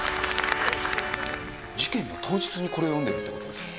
事件の当日にこれを詠んでるって事ですもんね。